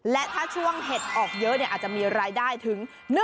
และถ้าช่วงเห็ดออกเยอะอาจจะมีรายได้ถึง